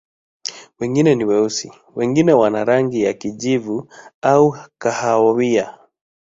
Wengine ni weusi, wengine wana rangi ya kijivu au kahawia.